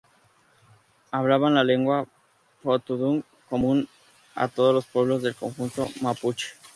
Hablaban la lengua mapudungun, común a todos los pueblos del conjunto mapuche.